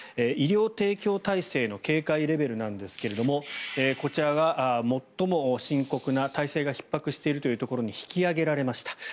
医療提供体制の警戒レベルなんですがこちらが最も深刻な体制がひっ迫しているというところに引き上げられました。